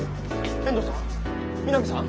遠藤さん？